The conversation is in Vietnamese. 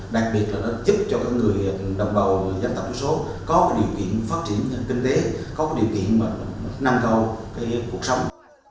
đặc biệt là nó giúp cho các người đồng bào dân tập số có điều kiện phát triển kinh tế có điều kiện nâng cầu cuộc sống